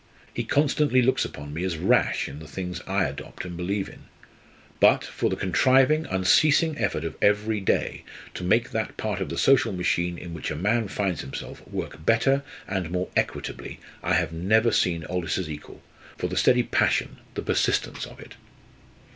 He constantly looks upon me as rash in the things I adopt and believe in. But for the contriving, unceasing effort of every day to make that part of the social machine in which a man finds himself work better and more equitably, I have never seen Aldous's equal for the steady passion, the persistence, of it."